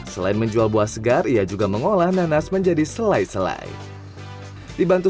hal ini memberi berkah bagi pelanggan yang berada di dalam kota labuan bajo